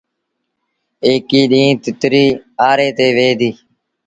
ايڪيٚ ڏيٚݩهݩ تتريٚ آري تي ويه ديٚ۔